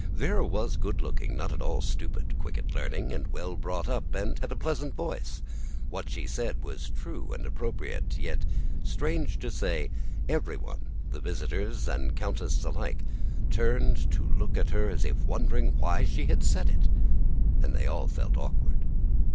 Véra was good looking, not at all stupid, quick at learning, was well brought up, and had a pleasant voice; what she said was true and appropriate, yet, strange to say, everyone—the visitors and countess alike—turned to look at her as if wondering why she had said it, and they all felt awkward.